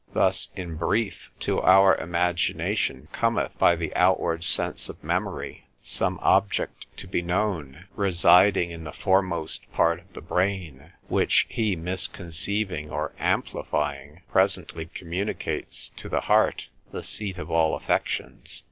Thus in brief, to our imagination cometh by the outward sense or memory, some object to be known (residing in the foremost part of the brain), which he misconceiving or amplifying presently communicates to the heart, the seat of all affections.